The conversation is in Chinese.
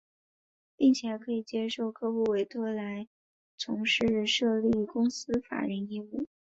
并且还可接受客户委托来从事设立公司法人业务。